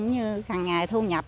hàng ngày thu nhập